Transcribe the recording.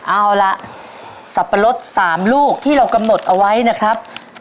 เอาล่ะสับปะรด๓ลูกที่เรากำหนดเอาไว้นะครับ